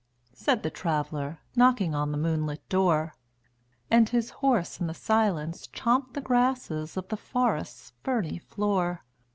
said the Traveler, Knocking on the moonlit door; And his horse in the silence chomped the grasses Of the forest's ferny floor.